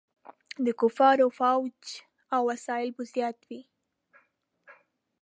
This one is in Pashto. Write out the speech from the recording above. د کفارو فوځ او وسایل به زیات وو.